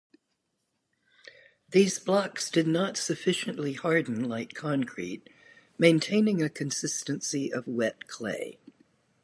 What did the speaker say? These blocks did not sufficiently harden like concrete, maintaining a consistency of wet clay.